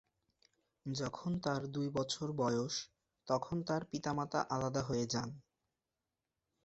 যখন তার দুই বছর বয়স, তখন তার পিতামাতা আলাদা হয়ে যান।